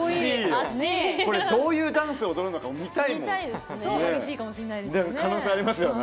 どういうダンスを踊るのか見たいですね。